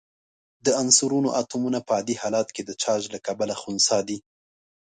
د عنصرونو اتومونه په عادي حالت کې د چارج له کبله خنثی دي.